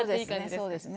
そうですね。